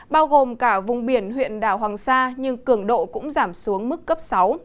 bao gồm cả vùng biển huyện đảo hoàng sa nhưng cường độ cũng giảm xuống mức cấp sáu